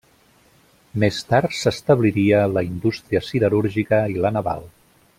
Més tard s'establiria la indústria siderúrgica i la naval.